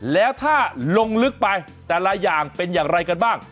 แล้วถ้าลงลึกไปแต่ละอย่างเป็นอย่างไรกันบ้าง